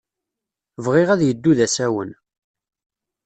Bɣiɣ ad yeddu d asawen.